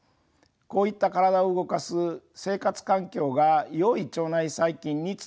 こういった体を動かす生活環境がよい腸内細菌につながっています。